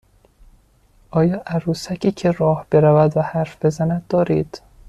آیا عروسکی که راه برود و حرف بزند دارید؟